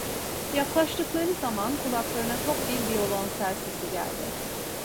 Yaklaştıkları zaman, kulaklarına tok bir viyolonsel sesi geldi.